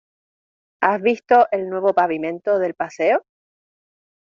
¿Has visto el nuevo pavimento del paseo?